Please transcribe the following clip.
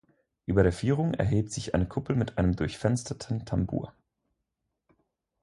Über der Vierung erhebt sich eine Kuppel mit einem durchfensterten Tambour.